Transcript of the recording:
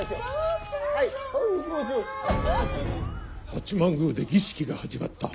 八幡宮で儀式が始まった。